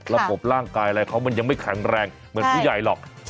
ระบบร่างกายอะไรเขามันยังไม่แข็งแรงเหมือนผู้ใหญ่หรอก